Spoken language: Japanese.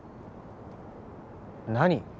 何？